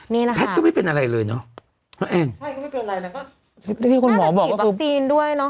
นี่น่ะค่ะก็ไม่เป็นอะไรเลยเนอะเห็น